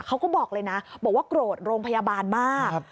เขาบอกเลยนะบอกว่าโกรธโรงพยาบาลมาก